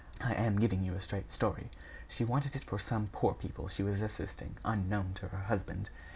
I am giving you a straight story. She wanted it for some poor people she was assisting unknown to her husband.